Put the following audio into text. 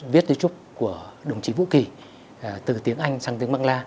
viết tuy trúc của đồng chí vũ kỳ từ tiếng anh sang tiếng mạng la